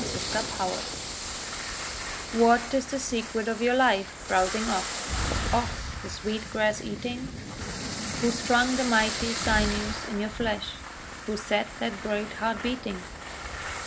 QUESTIONS What is the secret of your life, browsing ox, Ox the sweet grass eating? Who strung the mighty sinews in your flesh? Who set that great heart beating?